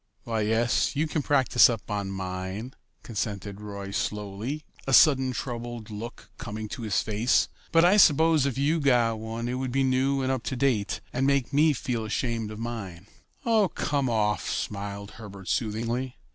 "Why, yes, you can practice up on mine," consented Roy slowly, a sudden troubled look coming to his face; "but I suppose if you got one it would be new and up to date, and make me feel ashamed of mine." "Oh, come off," smiled Herbert soothingly.